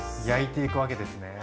焼いていくわけですね。